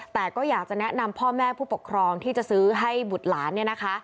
แต่ก็อยากจะแนะนำพ่อแม่ผู้ปกครองที่จะซื้อให้บุตรหลานเนี่ยนะคะ